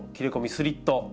スリット。